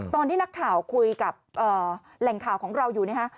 ตอนที่นักข่าวคุยกับแหล่งข่าวของเราอยู่นะฮะ